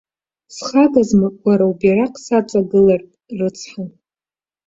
Схагазма уара убираҟ саҵагылартә, рыцҳа!